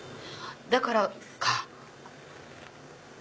だからか。